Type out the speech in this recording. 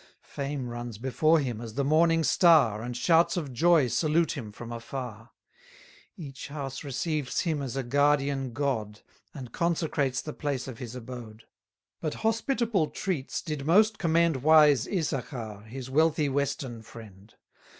Fame runs before him as the morning star, And shouts of joy salute him from afar: Each house receives him as a guardian god, And consecrates the place of his abode. But hospitable treats did most commend Wise Issachar, his wealthy western friend.